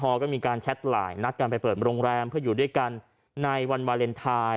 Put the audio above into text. พอก็มีการแชทไลน์นัดกันไปเปิดโรงแรมเพื่ออยู่ด้วยกันในวันวาเลนไทย